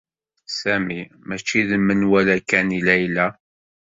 Sami mačči d menwala kan i Layla